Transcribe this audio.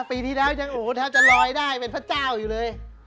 ปีที่แล้วจะลอยได้เป็นพระเจ้าอยู่เลย